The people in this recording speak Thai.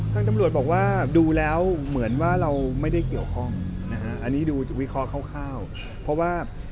แต่คนนี้คิดวิเคราะห์คร่าว